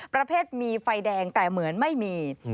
ประเภทมีไฟแดงแต่เหมือนไม่มี